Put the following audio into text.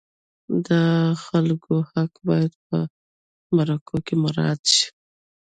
د خلکو حق باید په مرکو کې مراعت شي.